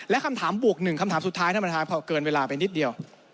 และคำถามบวกหนึ่งคำถามสุดท้ายท่านประธานพอเกินเวลาไปนิดเดียว